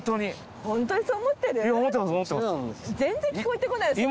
全然聞こえてこないよ。